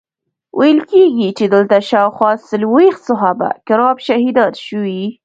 ویل کیږي چې دلته شاوخوا څلویښت صحابه کرام شهیدان شوي.